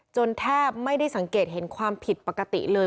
แทบไม่ได้สังเกตเห็นความผิดปกติเลย